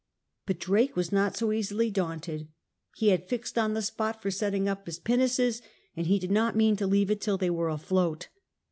But Drake was not so easily daunted. He had fixed on the spot for setting up his pinnaces, and he did not mean to leave it till they were afloat.